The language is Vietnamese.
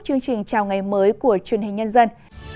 chương trình chào ngày mới của truyền hình nhân dân